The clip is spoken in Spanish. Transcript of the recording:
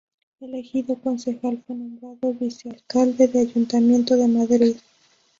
Elegido concejal, fue nombrado vicealcalde del Ayuntamiento de Madrid.